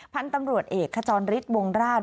พันธุ์ตำรวจเอกขจรฤทธิ์วงราช